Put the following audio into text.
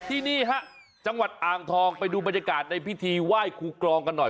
ที่นี่ฮะจังหวัดอ่างทองไปดูบรรยากาศในพิธีไหว้ครูกรองกันหน่อย